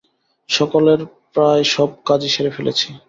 সকালের প্রায় সব কাজই সেরে ফেলেছি।